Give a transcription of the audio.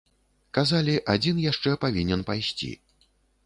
Казалі, адзін яшчэ павінен пайсці.